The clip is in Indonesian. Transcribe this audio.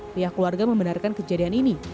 pihak keluarga membenarkan kejadian ini